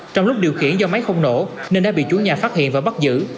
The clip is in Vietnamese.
trong lúc điều khiển do máy không nổ nên đã bị chủ nhà phát hiện và bắt giữ